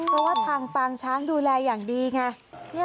เพราะว่าทางปางช้างดูแลอย่างดีไง